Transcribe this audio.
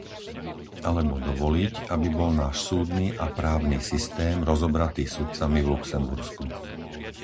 Alebo dovoliť, aby bol náš súdny a právny systém rozobratý sudcami v Luxembursku.